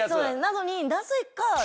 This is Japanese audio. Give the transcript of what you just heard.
なのに。